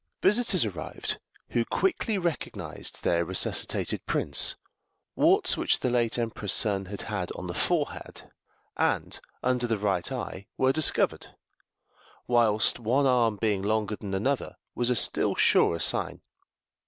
Visitors arrived who quickly recognized their resuscitated prince; warts which the late Emperor's son had had on the forehead, and under the right eye, were discovered, whilst one arm being longer than another was a still surer sign.